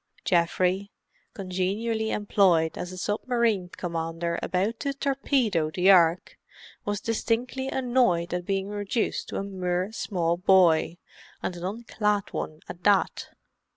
Geoffrey, congenially employed as a submarine commander about to torpedo the Ark, was distinctly annoyed at being reduced to a mere small boy, and an unclad one at that.